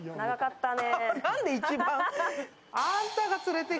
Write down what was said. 長かったね。